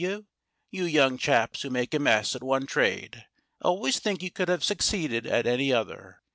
You young chaps who make a mess at one trade always think you could have succeeded at any other.